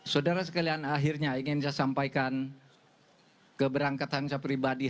saudara sekalian akhirnya ingin saya sampaikan keberangkatan saya pribadi